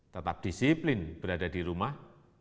tetap disiplin berada di rumah